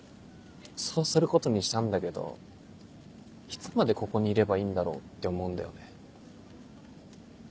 そうすることにしたんだけどいつまでここにいればいいんだろうって思うんだよね。